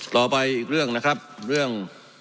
ต่อไปอีกเรื่องนะครับเรื่อง